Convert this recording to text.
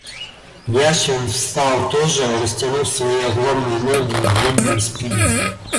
Яшвин встал тоже, растянув свои огромные ноги и длинную спину.